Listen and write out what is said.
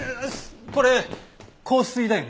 これ硬水だよね？